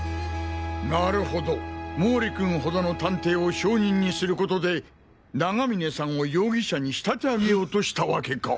なるほど毛利君ほどの探偵を証人にすることで永峰さんを容疑者に仕立て上げようとしたわけか！